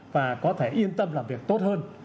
và có thể yên tâm làm việc tốt hơn